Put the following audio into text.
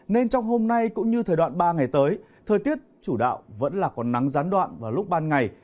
nên trong hôm nay cũng như thời đoạn ba ngày tới thời tiết chủ đạo vẫn là còn nắng gián đoạn vào lúc ban ngày